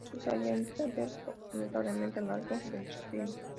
Al sur se halla el cráter notablemente alargado Schiller.